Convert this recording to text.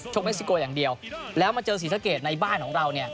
ชกเมซิโกย์อย่างเดียวแล้วมาเจอศิริษฐกรรมในบ้านของเรา